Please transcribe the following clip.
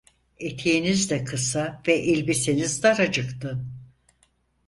Eteğiniz de kısa ve elbiseniz daracıktı…